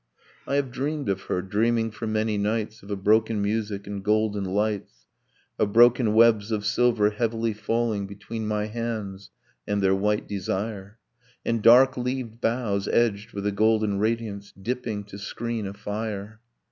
. I have dreamed of her, dreaming for many nights Of a broken music and golden lights, Of broken webs of silver, heavily falling Between my hands and their white desire: And dark leaved boughs, edged with a golden radiance, Dipping to screen a fire